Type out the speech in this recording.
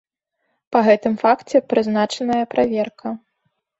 Па гэтым факце прызначаная праверка.